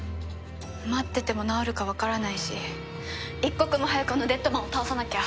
待ってても治るかわからないし一刻も早くあのデッドマンを倒さなきゃ。